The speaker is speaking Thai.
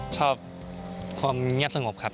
ชอบความเงียบสงบครับ